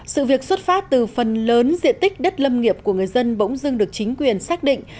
sự việc xuất phát từ phần lớn diện tích đất lâm nghiệp của người dân bỗng dưng được chính quyền xác định